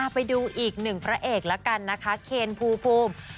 ไปดูอีกหนึ่งพระเอกแล้วกันนะคะเคนภูมิ